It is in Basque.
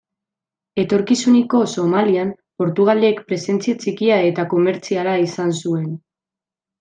Etorkizuneko Somalian Portugalek presentzia txikia eta komertziala izan zuen.